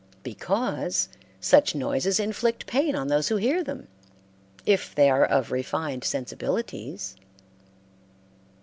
Because such noises inflict pain on those who hear them, if they are of refined sensibilities.